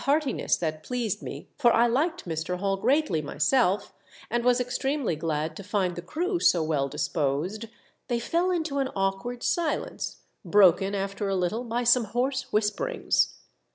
heartiness that pleased me, for I Hked Mr. Hall greatly myself, and was extremely glad to find the crew so well disposed, they fell into an awkward silence, broken alter a little by some hoarse whisperings.